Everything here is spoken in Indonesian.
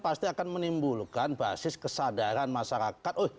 pasti akan menimbulkan basis kesadaran masyarakat